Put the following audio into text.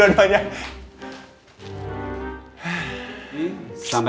kak biasanya apa type a